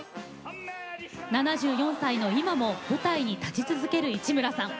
７４歳の今も舞台に立ち続ける市村さん。